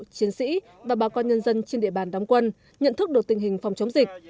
chiến sĩ và bà con nhân dân trên địa bàn đóng quân nhận thức được tình hình phòng chống dịch